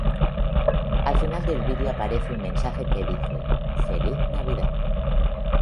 Al final del video aparece un mensaje que dice "feliz Navidad".